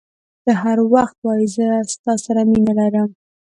ته هر وخت وایي زه ستا سره مینه لرم.